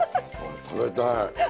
食べたい。